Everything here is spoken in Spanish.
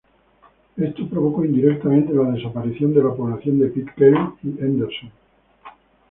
Esto provocó indirectamente la desaparición de la población en Pitcairn y Henderson.